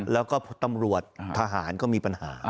แล้วก็ตำรวจทหารก็มีปัญหา